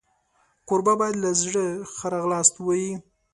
کوربه باید له زړه ښه راغلاست ووایي.